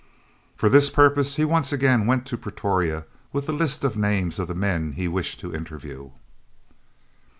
For this purpose he once again went to Pretoria with the list of names of the men he wished to interview.